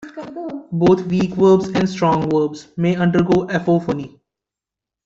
Both weak verbs and strong verbs may undergo apophony.